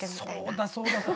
そうだそうだ。